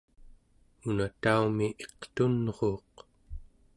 una taumi iqtunruuq